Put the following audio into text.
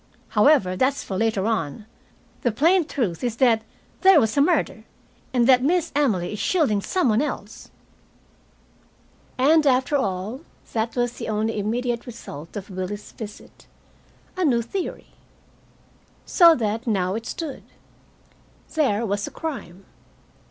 However, that's for later on. The plain truth is, that there was a murder, and that Miss Emily is shielding some one else." And, after all, that was the only immediate result of Willie's visit a new theory! So that now it stood: there was a crime.